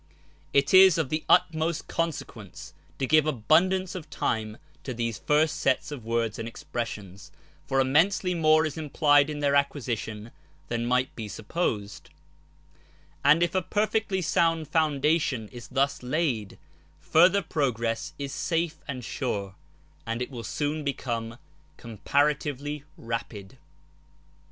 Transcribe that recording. It is of the utmost consequence to give abundance of time to these first seta of words and sentences, for immensely more is implied in their acquisition than might be supposed, and if a perfectly sound foundation is thus laid, further progress is safe and sure, and it will soon become comparatively rapid.